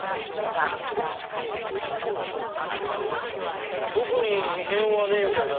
うーん特に異変はねえみたいだな。